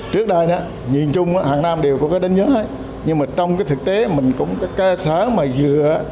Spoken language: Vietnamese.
trước đây nhìn chung hàng năm đều có đánh nhớ nhưng mà trong thực tế mình cũng có cái sáng mà dựa